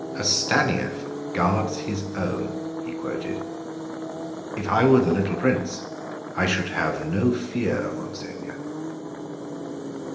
"'A Stanief guards his own'," he quoted. "If I were the little prince, I should have no fear, monseigneur."